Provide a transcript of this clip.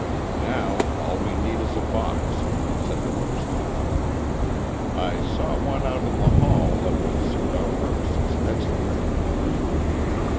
"Now all we need is a box," said the Postal operative. "I saw one out in the hall that will suit our purposes excellently."